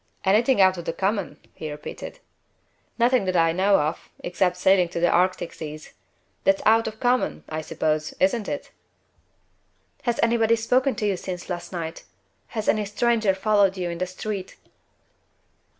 "Anything out of the common?" he repeated. "Nothing that I know of, except sailing for the Arctic seas. That's out of the common, I suppose isn't it?" "Has anybody spoken to you since last night? Has any stranger followed you in the street?"